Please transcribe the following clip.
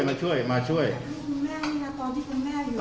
คุณแม่นี่นะตอนที่คุณแม่อยู่